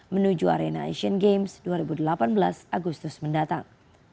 menuju arena asian games dua ribu delapan belas agustus mendatang